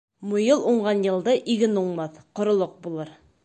Муйыл уңған йылды иген уңмаҫ, ҡоролоҡ булыр.